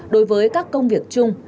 đối với các công việc chung